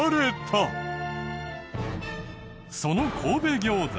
その神戸餃子